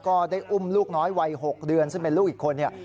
ก็ได้อุ้มลูกน้อยวัย๖เดือนซึ่งเป็นลูกอีกคนเนี่ย